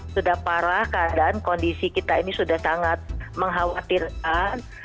sudah parah keadaan kondisi kita ini sudah sangat mengkhawatirkan